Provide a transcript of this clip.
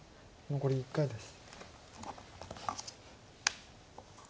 残り１回です。